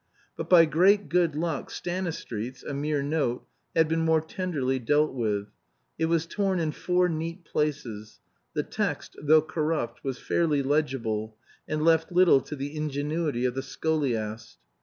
But by great good luck Stanistreet's (a mere note) had been more tenderly dealt with. It was torn in four neat pieces; the text, though corrupt, was fairly legible, and left little to the ingenuity of the scholiast.